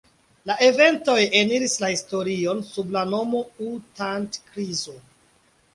La eventoj eniris la historion sub la nomo „U-Thant-krizo“.